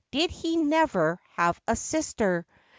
Did he never have a sister